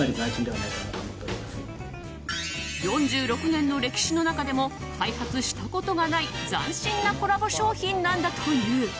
４６年の歴史の中でも開発したことがない斬新なコラボ商品なんだという。